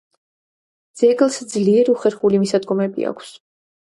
ძეგლს ძლიერ უხერხული მისადგომები აქვს.